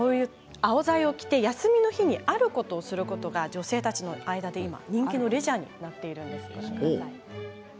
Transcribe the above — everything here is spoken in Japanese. アオザイを着て休みの日にあることをすることが女性たちの間で人気なんです。